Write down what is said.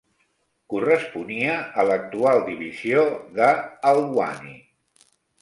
Corresponia a l'actual divisió de Haldwani.